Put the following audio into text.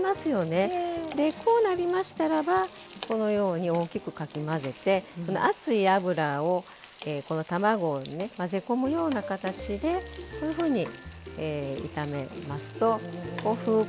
でこうなりましたらばこのように大きくかき混ぜて熱い油をこの卵にね混ぜ込むような形でこういうふうに炒めますとこうふっくらとなりますね。